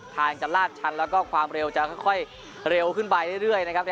ทางจะลาดชันแล้วก็ความเร็วจะค่อยเร็วขึ้นไปเรื่อยนะครับ